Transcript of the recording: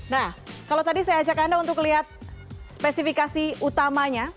nah kalau tadi saya ajak anda untuk lihat spesifikasi utamanya